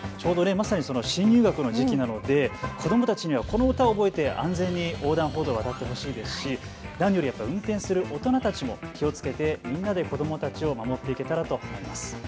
新入学の時期なので子どもたちにはこの歌を覚えて安全に横断歩道を渡ってほしいですし何より運転する大人たちも気をつけてみんなで子どもたちを守っていけたらと思います。